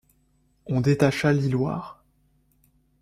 On détacha l’hiloire.